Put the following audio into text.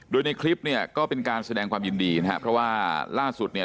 โดยในคลิปเนี่ยก็เป็นการแสดงความยินดีนะครับเพราะว่าล่าสุดเนี่ย